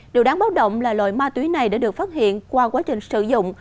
điều đáng báo động là loại ma túy này đã được phát hiện qua quá trình sử dụng